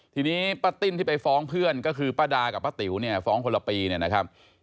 ทีนี้ป้าติ้นที่ไปฟ้องเพื่อนก็คือป้าดากับป้าติ๋วเนี่ยฟ้องคนละปีเนี่ยนะครับ